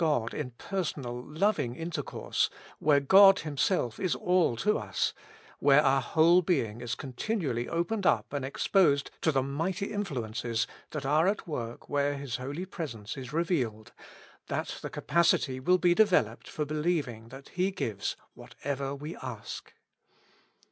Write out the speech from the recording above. God in personal, loving intercourse, where God Himself is all to us, where our whole being is con tinually opened up and exposed to the mighty influ ences that are at work where His Holy Presence is revealed, that the capacity will be developed for be lieving that He gives whatever we ask.